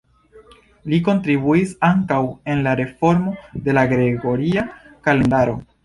Li kontribuis ankaŭ en la reformo de la Gregoria kalendaro.